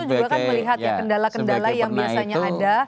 ya karena kita kan melihat ya kendala kendala yang biasanya ada